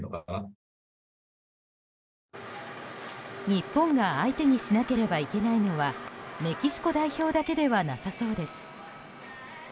日本が相手にしなければいけないのはメキシコ代表だけではなさそうです。